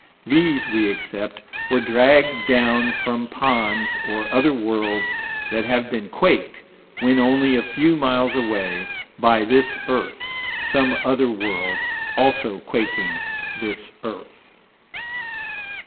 These we accept were dragged down from ponds or other worlds that have been quaked, when only a few miles away, by this earth, some other world also quaking this earth.